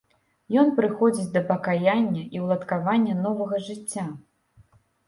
Ён прыходзіць да пакаяння і ўладкавання новага жыцця.